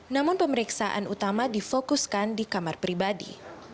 namun pemeriksaan utama difokuskan di kamar pribadi